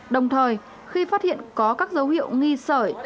đồng thời khi phát hiện có các dấu hiệu nghi sởi